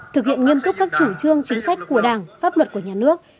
thực hiện nghiêm túc các chủ trương chính sách của đảng pháp luật của nhà nước